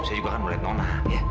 saya juga akan melihat nona